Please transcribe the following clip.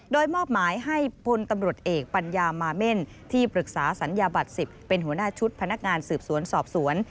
โดยมอบหมายให้พลตำรวจเอกปัญญามาเม่นที่ปรึกษาสัญญาบัตร๑๐เป็นหัวหน้าชุดพนักงานสืบสวนสอบสวน